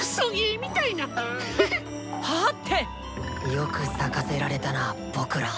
よく咲かせられたな僕ら。